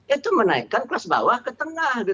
itu menaikkan kelas bawah ke tengah